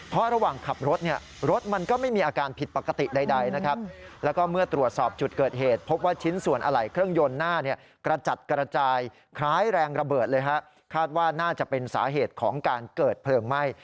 เพราะระหว่างขับรถเนี่ย